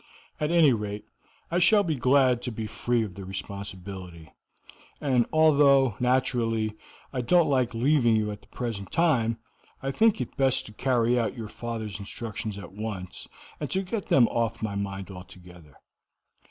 At any rate, I shall be glad to be free of the responsibility; and although, naturally, I don't like leaving you at the present time, I think it best to carry out your father's instructions at once, and to get them off my mind altogether.